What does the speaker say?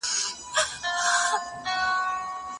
خپل ځان له هر ډول بې ځایه اندېښنو څخه خلاص کړئ.